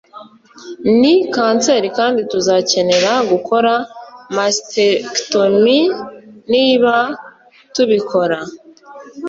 ni kanseri kandi tuzakenera gukora mastectomy. niba tubikora